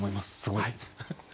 すごい。